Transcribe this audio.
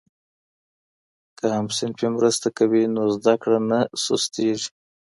که همصنفي مرسته کوي نو زده کړه نه سستېږي.